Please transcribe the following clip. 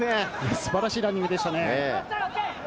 素晴らしいランニングでしたね。